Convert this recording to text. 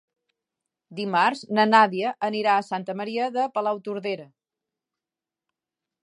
Dimarts na Nàdia anirà a Santa Maria de Palautordera.